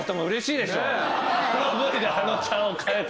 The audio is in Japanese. あのＶであのちゃんを変えた。